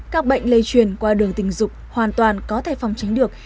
các bệnh lây truyền qua đường tình dục hoàn toàn có thể phòng tránh được